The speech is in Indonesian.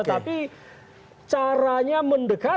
tetapi caranya mendekati kelompok yang berpengaruh